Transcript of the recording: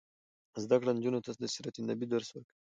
زده کړه نجونو ته د سیرت النبي درس ورکوي.